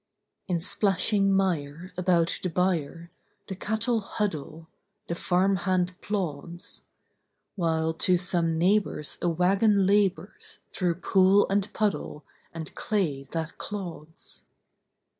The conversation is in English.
In splashing mire about the byre The cattle huddle, the farm hand plods; While to some neighbor's a wagon labors Through pool and puddle and clay that clods.